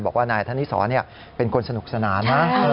บอกว่านายธนิสรเป็นคนสนุกสนานนะ